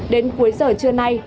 đến cuối giờ trưa nay